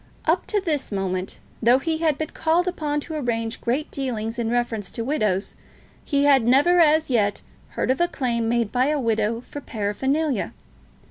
Up to this moment, though he had been called upon to arrange great dealings in reference to widows, he had never as yet heard of a claim made by a widow for paraphernalia.